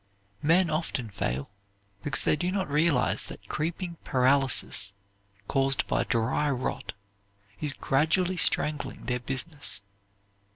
Men often fail because they do not realize that creeping paralysis, caused by dry rot, is gradually strangling their business.